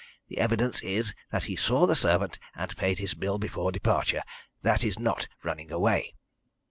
The evidence is that he saw the servant and paid his bill before departure. That is not running away."